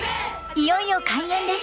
いよいよ開演です。